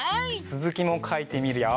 つづきもかいてみるよ。